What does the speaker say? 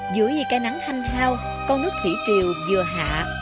dưới cây nắng hanh hao con nước thủy triều vừa hạ